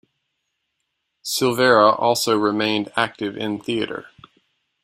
Silvera also remained active in theatre.